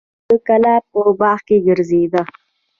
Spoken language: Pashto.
تواب د کلا په باغ کې ګرځېده.